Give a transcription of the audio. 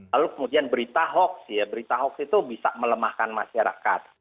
lalu kemudian berita hoax ya berita hoax itu bisa melemahkan masyarakat